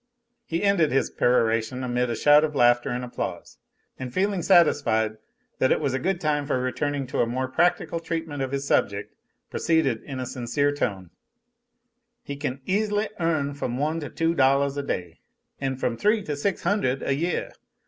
He ended his peroration amid a shout of laughter and applause, and feeling satisfied that it was a good time for returning to a more practical treatment of his subject, proceeded in a sincere tone: "He can easily earn from one to two dollahs a day, an' from three to six hundred a yeah.